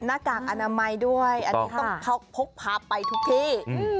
หน้ากากอนามัยด้วยอันนี้ต้องพกพาไปทุกที่